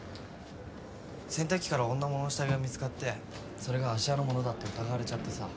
洗濯機から女物の下着が見つかってそれが芦屋の物だって疑われちゃってさ。